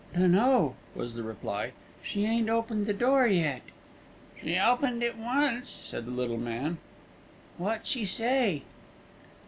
"Dunno!" was the reply. "She ain't opened the door yet." "She opened it once," said the little man. "Wot she say?"